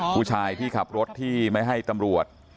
ผู้ชายที่ขับรถที่ไม่ให้ตำรวจ